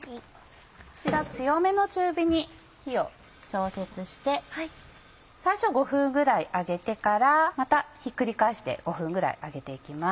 こちら強めの中火に火を調節して最初５分ぐらい揚げてからまたひっくり返して５分ぐらい揚げて行きます。